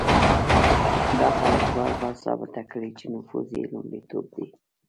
دا خلک بار بار ثابته کړې چې نفوذ یې لومړیتوب دی.